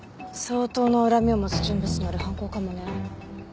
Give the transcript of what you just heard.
相当な恨みを持つ人物による犯行かもね。